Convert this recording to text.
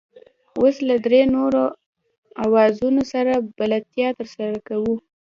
اوس له درې نورو اوزارونو سره بلدیتیا ترلاسه کوئ.